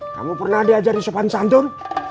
kamu pernah diajar di sopan santun